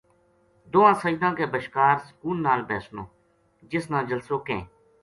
دواں سجداں کے بشکار سکون نال بیسنو، جس نا جلسو کہیں۔